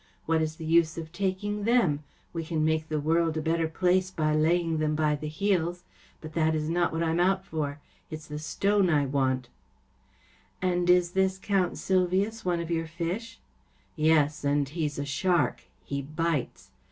What is the use of taking them ? We can make the world a better place by laying them by the heels. But that is not what I am out for. It’s the stone I want.‚ÄĚ 44 And is this Count Sylvius one of your fish ? ‚ÄĚ 44 Yes, and he’s a shark. He bites.